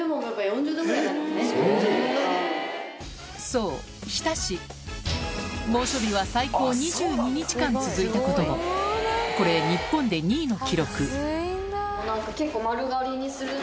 そう日田市猛暑日は最高２２日間続いたこともこれ日本で２位の記録